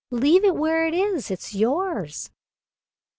Leave it where it is. It's yours."